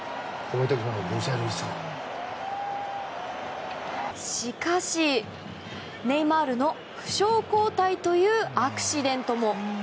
しかし、ネイマールの負傷交代というアクシデントも。